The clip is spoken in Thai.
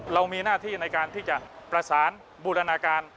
เรามีหน้าที่ในการที่จะประสานบูรณาการ